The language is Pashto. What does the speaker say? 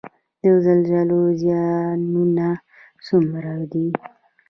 د زلزلو زیانونه څومره دي؟